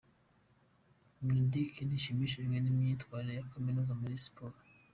Mineduc ntishimishijwe n’imyitwarire ya Kaminuza muri siporo .